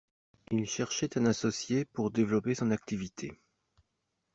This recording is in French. Il cherchait un associé pour développer son activité.